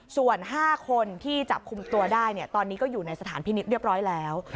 ส่วน๕คนที่จับคุมตัวได้ตอนนี้ก็อยู่ในสถานพินิษฐ์เรียบร้อยแล้ว